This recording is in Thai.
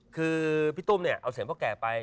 คือพี่ตุ้มเนี่ยเอาเสียงพ่อแก่ไป